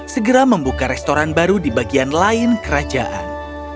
segera membuka restoran baru di bagian lain kerajaan